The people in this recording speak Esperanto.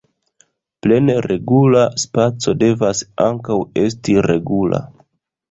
Plene regula spaco devas ankaŭ esti regula.